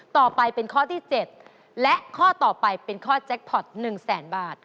ต่อไปเป็นข้อที่๗และข้อต่อไปเป็นข้อแจ็คพอร์ต๑แสนบาท